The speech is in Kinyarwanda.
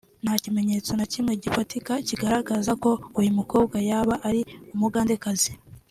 nta kimenyetso na kimwe gifatika kigaragaza ko uyu mukobwa yaba ari umugandekazi